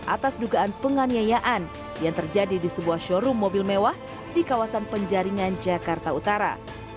atas dugaan penganiayaan yang terjadi di sebuah showroom mobil mewah di kawasan penjaringan jakarta utara